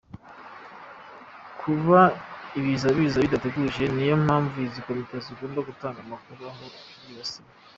Kuba Ibiza biza bidateguje niyo mpamvu izi komite zigomba gutanga amakuru aho byibasiye.